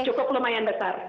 cukup lumayan besar